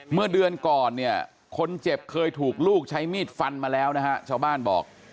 เมื่อเดือนก่อนเนี่ยคนเจ็บเคยถูกลูกใช้มีดฟันมาแล้วนะฮะชาวบ้านบอก